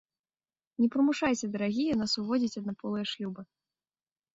Не прымушайце, дарагія, нас уводзіць аднаполыя шлюбы.